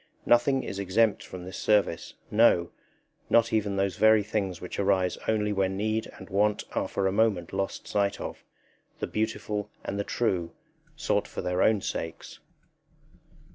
Nothing is exempt from this service, no, not even those very things which arise only when need and want are for a moment lost sight of the beautiful and the true, sought for their own sakes.